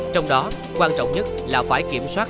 trong đó quan trọng nhất là phải kiểm soát